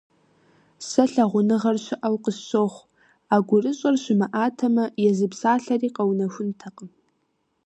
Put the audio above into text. Сэ лъагъуныгъэр щыӀэу къысщохъу, а гурыщӀэр щымыӀатэмэ, езы псалъэри къэунэхунтэкъым.